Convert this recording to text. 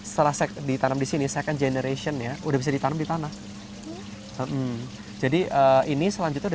setelah seco ditanam di sini second generation ya udah bisa ditanam di tanah jadi ini selanjutnya